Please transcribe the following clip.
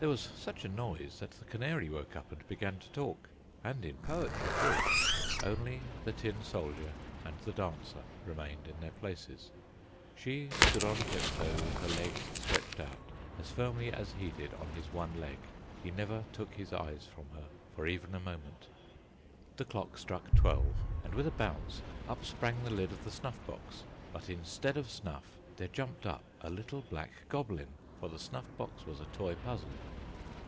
There was such a noise that the canary woke up and began to talk, and in poetry too. Only the tin soldier and the dancer remained in their places. She stood on tiptoe, with her legs stretched out, as firmly as he did on his one leg. He never took his eyes from her for even a moment. The clock struck twelve, and, with a bounce, up sprang the lid of the snuff box; but, instead of snuff, there jumped up a little black goblin; for the snuff box was a toy puzzle.